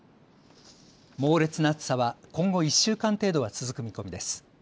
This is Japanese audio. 猛烈な暑さは今後１週間程度は続く見込みです。